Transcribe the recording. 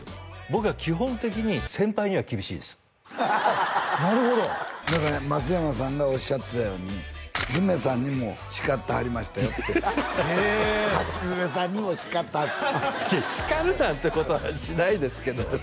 僕は基本的に先輩には厳しいですあっなるほどだから松山さんがおっしゃってたように「爪さんにも叱ってはりましたよ」ってへえ橋爪さんにも叱ってはった違う叱るなんてことはしないですけど